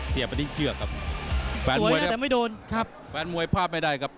เสียบอันนี้เชือกครับสวยแล้วแต่ไม่โดนครับแฟนมวยภาพไม่ได้ครับ